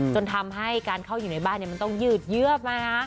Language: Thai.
จนทำให้การเข้าอยู่ในบ้านมันต้องยืดเยือบนะคะ